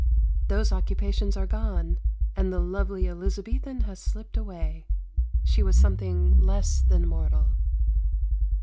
Those occupations are gone, and the lovely Elizabethan has slipped away. She was something less than mortal.